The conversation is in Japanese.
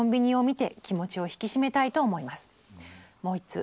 もう一通。